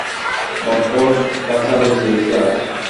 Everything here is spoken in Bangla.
বড্ড বাঁচা বেঁচে গেছি আজ!